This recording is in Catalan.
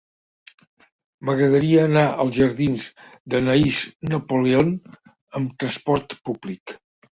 M'agradaria anar als jardins d'Anaïs Napoleon amb trasport públic.